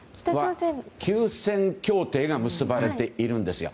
休戦協定が結ばれているんです。